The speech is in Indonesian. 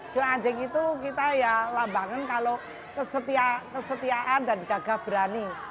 sungai anjing itu kita ya lambangin kalau kesetiaan dan gagah berani